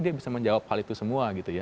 dia bisa menjawab hal itu semua gitu ya